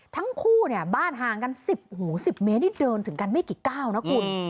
ทั้งคู่เนี่ยบ้านห่างกัน๑๐หู๑๐เมตรนี่เดินถึงกันไม่กี่ก้าวนะคุณ